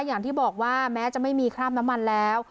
อย่างที่บอกว่าแม้จะไม่มีคราบน้ำมันแล้ว